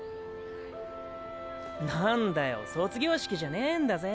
何だよ卒業式じゃねーんだぜ？